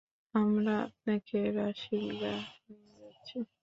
আমরা আপনাকে রাসিগাহ নিয়ে যাচ্ছি।